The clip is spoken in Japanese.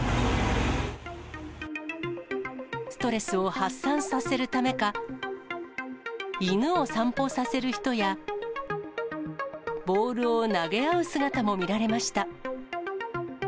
ストレスを発散させるためか、犬を散歩させる人や、ボールを投げ合う姿も見られました。